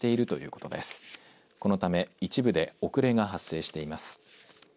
このため、一部で遅れが発生しています。